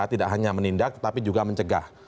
tidak hanya menindak tetapi juga mencegah